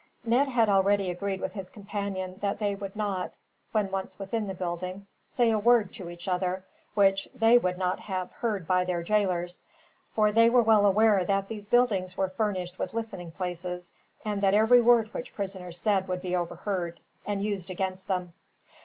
Ned had already agreed with his companion that they would not, when once within the building, say a word, to each other, which they would not have heard by their jailors; for they were well aware that these buildings were furnished with listening places, and that every word which prisoners said would be overheard, and used against them.